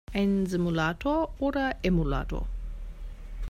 Ein Simulator oder Emulator?